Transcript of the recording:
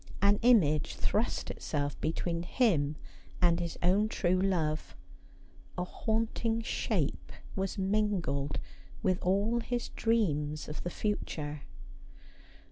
An image thrust itself between him and his own true love; a haunting shape was mingled with all his dreams of the future.